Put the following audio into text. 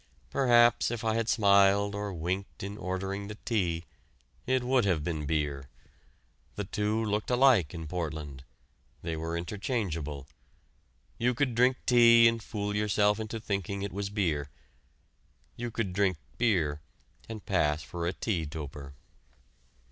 Perhaps if I had smiled or winked in ordering the tea, it would have been beer. The two looked alike in Portland; they were interchangeable. You could drink tea and fool yourself into thinking it was beer. You could drink beer and pass for a tea toper.